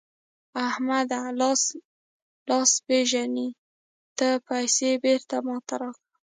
احمده؛ لاس لاس پېژني ـ زما پيسې بېرته ما ته راکړه.